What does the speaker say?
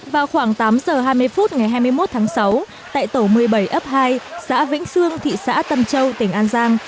vào khoảng tám giờ hai mươi phút ngày hai mươi một tháng sáu tại tổ một mươi bảy ấp hai xã vĩnh sương thị xã tân châu tỉnh an giang